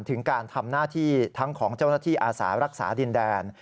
ถึงการทำหน้าที่ทั้งของเจ้าหน้าที่อาสารักษาดินแดน